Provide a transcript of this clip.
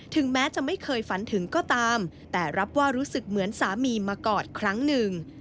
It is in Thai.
แม้จะไม่เคยฝันถึงก็ตามแต่รับว่ารู้สึกเหมือนสามีมากอดครั้งหนึ่ง